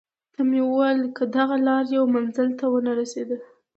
ته مې وویل: که دغه لار یو منزل ته ونه رسېدل.